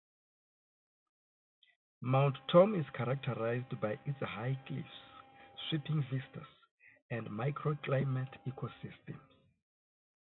Mount Tom is characterized by its high cliffs, sweeping vistas, and microclimate ecosystems.